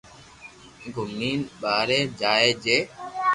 گومين ٻاري جائي جي